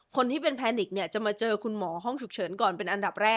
คนที่เป็นแพนิกเนี่ยจะมาเจอคุณหมอห้องฉุกเฉินก่อนเป็นอันดับแรก